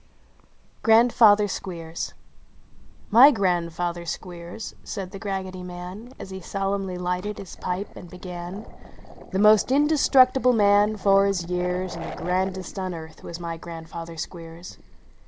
159 GRANDFATHER SOl EERS grandfather Squcers," said The Raggedy Man, Vs he solemnly lighted his pipe and began " The most indestructible man, for his years, And the grandest on earth, was my grandfather Squeers